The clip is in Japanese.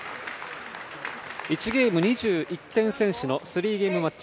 １ゲーム２１点先取の３ゲームマッチ。